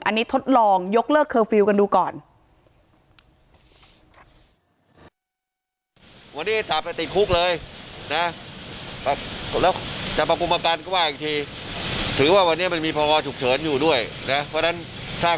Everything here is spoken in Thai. อันนี้ทดลองยกเลิกเคอร์ฟิลล์กันดูก่อน